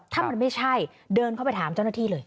ถ้ามันไม่ใช่เดินเข้าไปถามเจ้าหน้าที่เลย